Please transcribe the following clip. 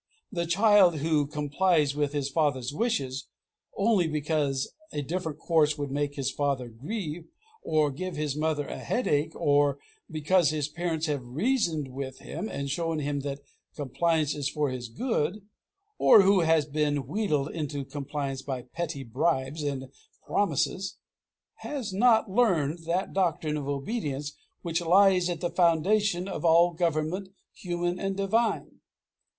The child who complies with his father's wishes, only because a different course would make his father grieve, or give his mother a headache, or because his parents have reasoned with him and shown him that compliance is for his good, or who has been wheedled into compliance by petty bribes and promises, has not learned that doctrine of obedience which lies at the foundation of all government, human and divine.